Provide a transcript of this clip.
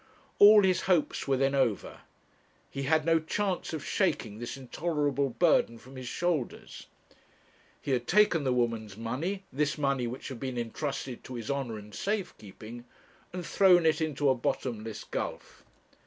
All his hopes were then over; he had no chance of shaking this intolerable burden from his shoulders; he had taken the woman's money, this money which had been entrusted to his honour and safe keeping, and thrown it into a bottomless gulf.